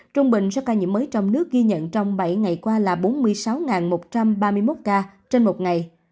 trung bình số ca nhiễm mới trong nước ghi nhận trong bảy ngày qua là bốn mươi sáu một trăm ba mươi một ca trên một ngày